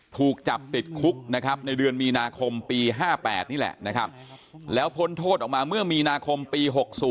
ถูกจับติดคุกในเดือนนาคมปี๕๘นี่แหละแล้วพ้นโทษออกมาเมื่อมีนาคมปี๖๐